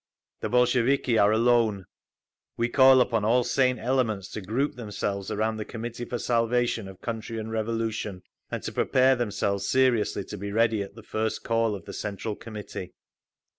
The Bolsheviki are alone…. We call upon all sane elements to group themselves around the Committee for Salvation of Country and Revolution, and to prepare themselves seriously to be ready at the first call of the Central Committee….